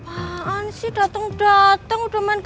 apaan sih dateng dateng udah main game